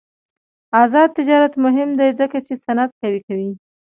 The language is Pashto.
آزاد تجارت مهم دی ځکه چې صنعت قوي کوي.